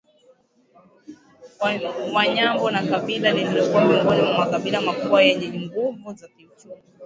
Wanyambo ni kabila lilokuwa miongoni mwa makabila makubwa yenye nguvu za kiuchumi